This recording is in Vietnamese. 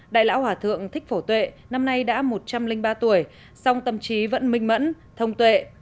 đại lão hòa thượng thích phổ tuệ năm nay đã một trăm linh ba tuổi song tâm trí vẫn minh mẫn thông tuệ